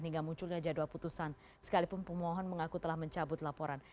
hingga munculnya jadwal putusan sekalipun pemohon mengaku telah mencabut laporan